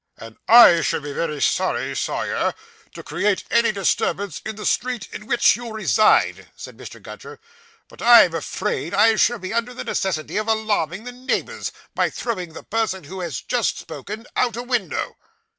'And I should be very sorry, Sawyer, to create any disturbance in the street in which you reside,' said Mr. Gunter, 'but I'm afraid I shall be under the necessity of alarming the neighbours by throwing the person who has just spoken, out o' window.